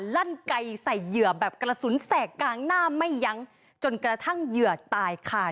ลั่นไก่ใส่เหยื่อแบบกระสุนแสกกลางหน้าไม่ยั้งจนกระทั่งเหยื่อตายค่ะ